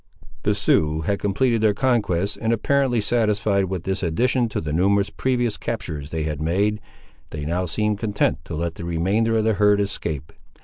The Siouxes had completed their conquest, and, apparently satisfied with this addition to the numerous previous captures they had made, they now seemed content to let the remainder of the herd escape.